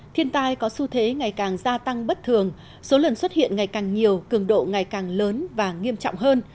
thiên tai có xu thế ngày càng gia tăng bất thường số lần xuất hiện ngày càng nhiều cường độ ngày càng lớn và nghiêm trọng hơn